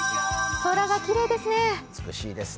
空がきれいですね。